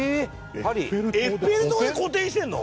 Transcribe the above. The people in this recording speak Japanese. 「エッフェル塔で個展してるの？」